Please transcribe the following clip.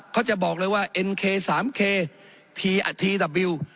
เขาจะบอกเลยว่าเอ็นเคสามเคทีอ่ะทีดับวิว